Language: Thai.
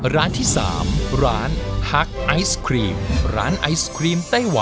ร้านที่สามร้านฮักไอศครีม